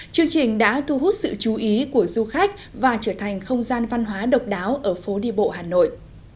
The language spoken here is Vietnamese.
chương trình đã thu hút sự chú ý của du khách và trở thành không gian văn hóa độc đáo ở phố đi bộ hà nội